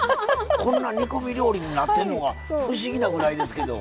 こんな煮込み料理になってんのが不思議なぐらいですけど。